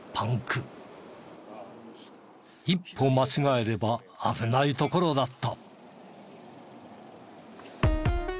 一歩間違えれば危ないところだった。